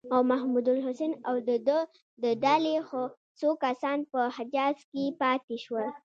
او محمودالحسن او د ده د ډلې څو کسان په حجاز کې پاتې شول.